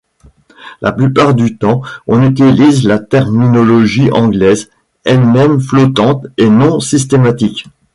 La plupart du temps on utilise la terminologie anglaise, elle-même flottante et non systématique.